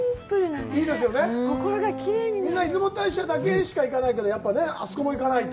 みんな、出雲大社だけしか行かないから、あそこも行かないと。